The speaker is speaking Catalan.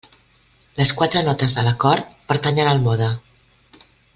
Les quatre notes de l'acord pertanyen al mode.